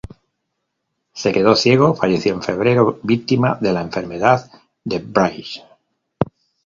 Se quedó ciego, falleció en febrero, victima de la enfermedad de Bright.